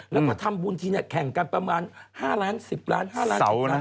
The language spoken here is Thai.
แล้วก็ทำบุญทีเนี่ยแข่งกันประมาณ๕ล้าน๑๐ล้าน๕ล้าน๑๐ล้าน